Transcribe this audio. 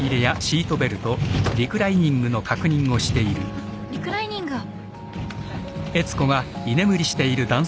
あっリクライニングを。